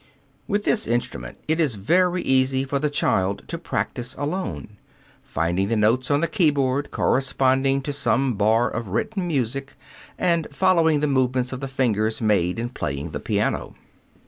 With this instrument it is very easy for the child to practise alone, finding the notes on the keyboard corresponding to some bar of written music, and following the movements of the fingers made in playing the piano.